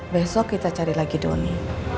besok kita cari lagi doni